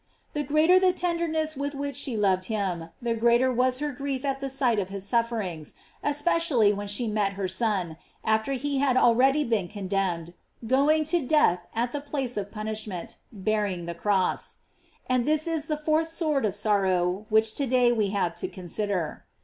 J The greater the tenderness with which she loved him, the greater was her grief at the sight of his sufferings, especially when she met her Son, after he had already been con demned, going to death at the place of punish ment, bearing the cross. And this is the fourth sword of sorrow which to day we have to con sider.